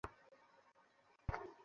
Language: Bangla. দেখো, তোমার জন্য ছাগলও নিয়ে এসেছে।